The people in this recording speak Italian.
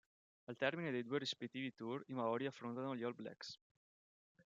Al termine dei due rispettivi tour i Maori affrontano gli All Blacks